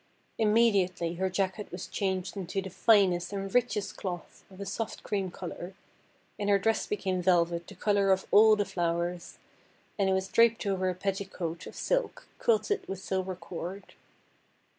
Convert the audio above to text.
Immediately her jacket was changed into the finest and richest cloth of a soft cream colour, and her dress became velvet the colour of all the flowers, and it was draped over a petticoat of silk quilted with silver cord.